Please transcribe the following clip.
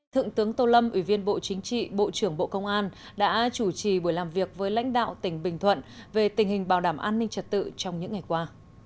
thượng tướng tô lâm ủy viên bộ chính trị bộ trưởng bộ công an đã chủ trì buổi làm việc với lãnh đạo tỉnh bình thuận về tình hình bảo đảm an ninh trật tự trong những ngày qua